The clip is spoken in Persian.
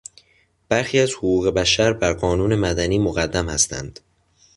برخی از حقوق بشر بر قانون مدنی مقدم هستند.